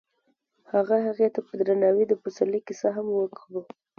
هغه هغې ته په درناوي د پسرلی کیسه هم وکړه.